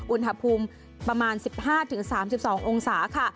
อุณหภูมิประมาณ๑๕๓๒องศาค่ะ